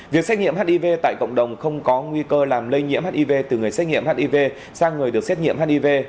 việc xét nghiệm hiv tại cộng đồng không có nguy cơ làm lây nhiễm hiv từ người xét nghiệm hiv sang người được xét nghiệm hiv